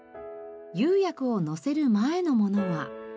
釉薬をのせる前のものは。